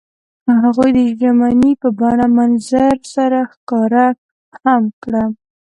هغوی د ژمنې په بڼه منظر سره ښکاره هم کړه.